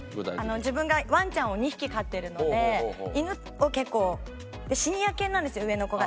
自分がワンちゃんを２匹飼ってるので犬を結構シニア犬なんですよ上の子が。